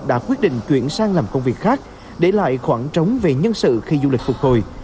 đã quyết định chuyển sang làm công việc khác để lại khoảng trống về nhân sự khi du lịch phục hồi